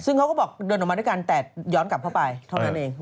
ซึ่งเขาก็บอกเดินออกมาด้วยกันแต่ย้อนกลับเข้าไปเท่านั้นเอง